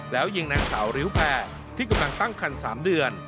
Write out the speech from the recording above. แล้วยิงนางสาวริ้วแพรที่กำลังตั้งคัน๓เดือน